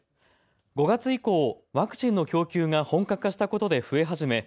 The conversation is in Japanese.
５月以降、ワクチンの供給が本格化したことで増え始め